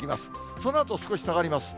そのあと少し下がります。